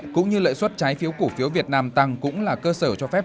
cũng như lợi suất trái phiếu cổ phiếu việt nam tăng cũng là cơ sở cho phép